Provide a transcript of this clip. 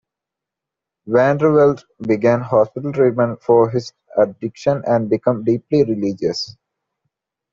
Van der Velde began hospital treatment for his addiction and became deeply religious.